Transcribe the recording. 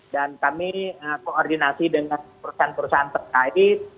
dan kami koordinasi dengan perusahaan perusahaan terkait